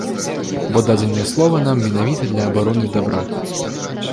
Бо дадзенае слова нам менавіта для абароны дабра.